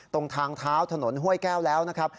ตรงทางเท้าถนนห้วยแก้วแล้วนะครับ